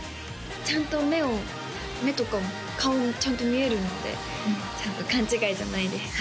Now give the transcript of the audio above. ちゃんと目を目とか顔もちゃんと見えるのでちゃんと勘違いじゃないです